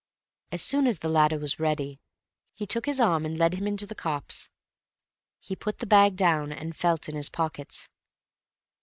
As soon as the latter was ready, he took his arm and led him into the copse. He put the bag down and felt in his pockets.